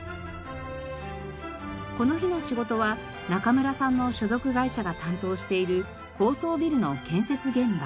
この日の仕事は中村さんの所属会社が担当している高層ビルの建設現場。